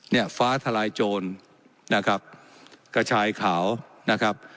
เนี่ยฟ้าทลายโจรนะครับกระชายขาวนะครับ